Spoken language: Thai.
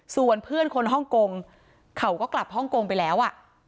ส่วนเพื่อนคนฮ่องกงเขาก็กลับฮ่องกงไปแล้ว